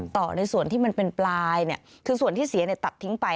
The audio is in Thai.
ต่อในส่วนที่มันเป็นปลายคือส่วนที่เสียตัดทิ้งไป